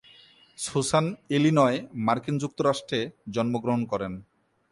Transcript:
Susan Illinois, মার্কিন যুক্তরাষ্ট্রে জন্মগ্রহণ করেন।